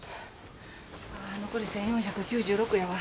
あ残り１，４９６やわ。